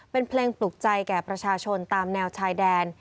เป็นเพลงปลุกใจแก่ประชาชนตามแนวชายแดน